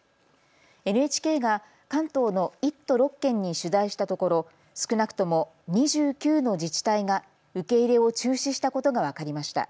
ＮＨＫが関東の１都６県に取材したところ少なくとも２９の自治体が受け入れを中止したことが分かりました。